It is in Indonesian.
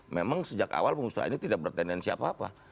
memang sejak awal pengusaha ini tidak bertendensi apa apa